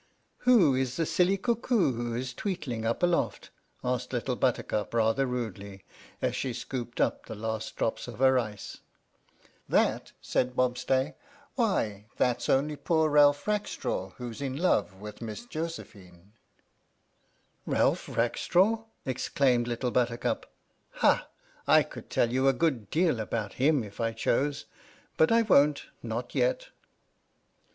" Who is the silly cuckoo who is tweetling up aloft?" asked Little Buttercup, rather rudely, as she scooped up the last drops of her ice. "That?" said Bobstay, "Why, that's only poor Ralph Rackstraw who 's in love with Miss Jo sephine." " Ralph Rackstraw!" exclaimed little Buttercup, " Ha! I could tell you a good deal about him if I chose. But I won't — not yet!"